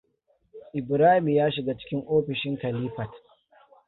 Ibrahim ya shiga cikin ofishin Khalifat.